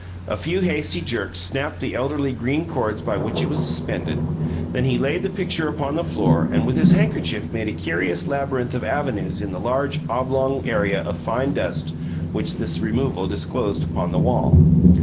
A few hasty jerks snapped the elderly green cords by which it was suspended; then he laid the picture upon the floor and with his handkerchief made a curious labyrinth of avenues in the large oblong area of fine dust which this removal disclosed upon the wall.